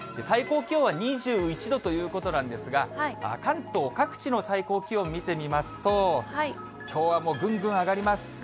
最高気温は２１度ということなんですが、関東各地の最高気温を見てみますと、きょうはもう、ぐんぐん上がります。